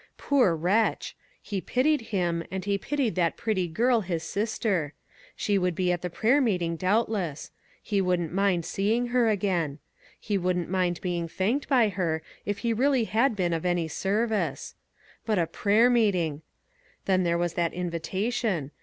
Poor wretch ! He pitied him, and he pitied that pretty girl, his sister. She would be at the prayer meeting, doubtless. He wouldn't mind seeing her again. He wouldn't mind being thanked by her if he really had been of any service. But a prayer meeting ! Then there was that invitation.